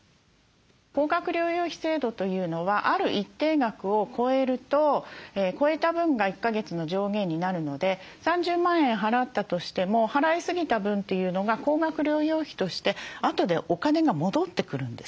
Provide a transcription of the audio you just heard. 高額療養費制度というのはある一定額を超えると超えた分が１か月の上限になるので３０万円払ったとしても払いすぎた分というのが高額療養費としてあとでお金が戻ってくるんです。